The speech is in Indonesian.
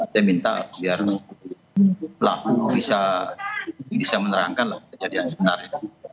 saya minta biar pelaku bisa menerangkan kejadian sebenarnya